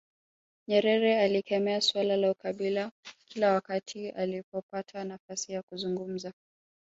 Nyerere alikemea suala la ukabila kila wakati alipopata nafasi ya kuzungumza